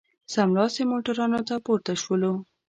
سملاسي موټرانو ته پورته شولو.